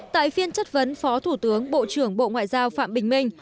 tại phiên chất vấn phó thủ tướng bộ trưởng bộ ngoại giao phạm bình minh